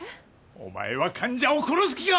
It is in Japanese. お前は患者を殺す気か！